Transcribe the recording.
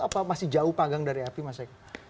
atau masih jauh pagang dari api mas eka